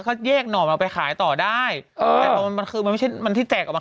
เขาแยกหน่อมาไปขายต่อได้เออแต่พอมันมันคือมันไม่ใช่มันที่แจกออกมา